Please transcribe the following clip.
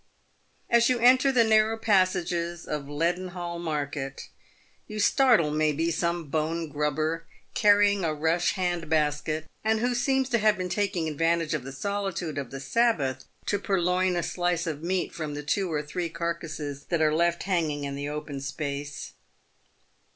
As you enter the narrow passages of Leadenhall market, you startle maybe some bone grubber, carrying a rush hand basket, and who seems to have been taking advantage of the solitude of the Sabbath to purloin a slice of meat from the two or three carcases that are left hanging in the open space.